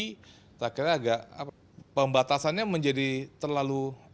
kita kira agak pembatasannya menjadi terlalu